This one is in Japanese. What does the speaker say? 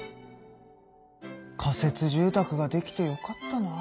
仮設住宅ができてよかったなあ。